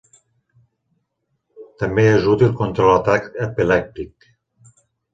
També és útil contra l'atac epilèptic.